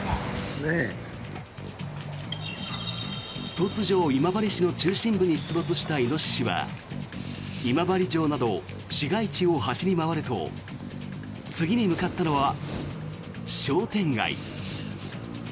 突如、今治市の中心部に出没したイノシシは今治城など市街地を走り回ると次に向かったのは商店街。